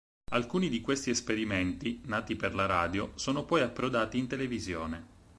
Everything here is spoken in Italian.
Alcuni di questi esperimenti, nati per la radio, sono poi approdati in televisione.